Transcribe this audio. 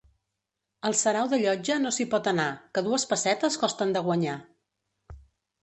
Al sarau de Llotja no s'hi pot anar; que dues pessetes costen de guanyar.